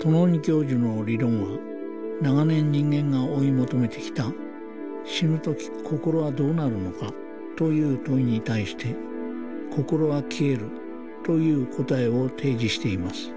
トノーニ教授の理論は長年人間が追い求めてきた「死ぬとき心はどうなるのか」という問いに対して「心は消える」という答えを提示しています